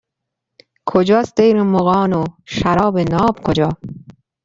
کجاست دیر مغان و شراب ناب کجا